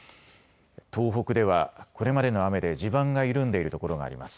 東北ではこれまでの雨で地盤が緩んでいるところがあります。